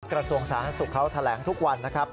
กระทรวงสาธารณสุขเขาแถลงทุกวันนะครับ